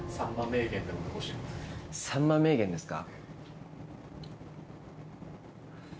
サンマ名言ですか？